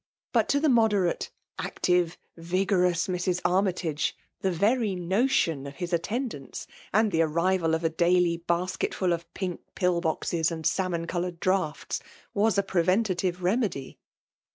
But to the moderate, active, vigovouB Mrs. Armytage, the very notion of his attendance, and die arrival of a daily badcetfiil of pink pill boxes, and sahnon co hMired draughts, was a preventive remedy.